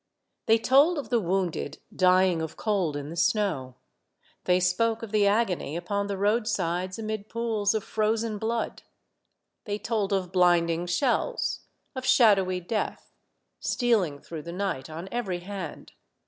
They told of the wounded dy ing of cold in the snow, they spoke of the agony upon the roadsides amid pools of frozen blood, they told of blinding shells, of shadowy death, stealing through the night on every hand.